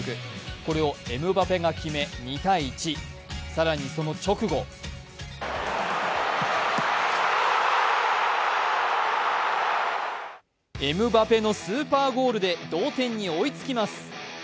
これをエムバペが決め、２−１、更にその直後、エムバペのスーパーゴールで同点に追いつきます。